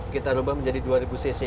kita ubah menjadi dua ribu cc